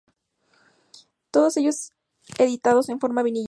Todos ellos editados en formato vinilo.